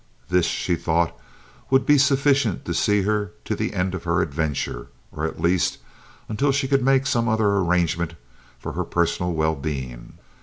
This she thought would be sufficient to see her to the end of her adventure, or at least until she could make some other arrangement for her personal well being.